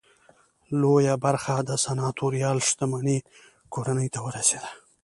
لویه برخه د سناتوریال شتمنۍ کورنۍ ته ورسېده.